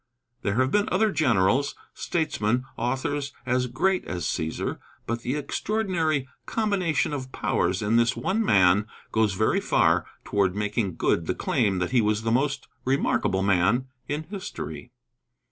There have been other generals, statesmen, authors, as great as Cæsar; but the extraordinary combination of powers in this one man goes very far toward making good the claim that he was the most remarkable man in history.